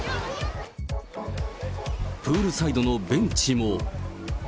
プールサイドのベンチも。